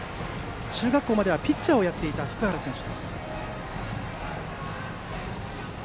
中学校まではピッチャーをやっていた福原選手。